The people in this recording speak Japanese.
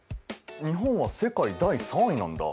日本は世界第３位なんだ。